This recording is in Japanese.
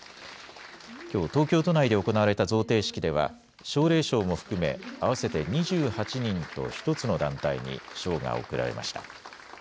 きょう、東京都内で行われた贈呈式では、奨励賞も含め、合わせて２８人と１つの団体に賞が贈られました。